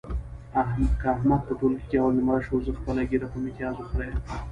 که احمد په ټولګي کې اول نمره شو، زه خپله ږیره په میتیازو خرېیم.